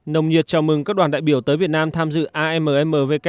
nồng nhiệt chào mừng các đoàn đại biểu tới việt nam tham dự ammwk